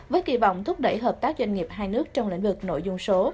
với kỳ vọng thúc đẩy hợp tác doanh nghiệp hai nước trong lĩnh vực nội dung số